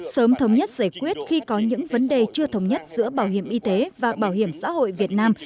sớm thống nhất giải quyết khi có những vấn đề chưa thống nhất giữa bảo hiểm y tế và bảo hiểm xã hội việt nam